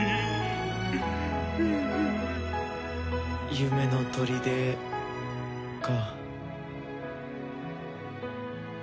夢の砦か。